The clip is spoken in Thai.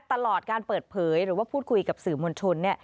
ตลอดการเปิดเผยหรือว่าพูดคุยกับสื่อมวลชน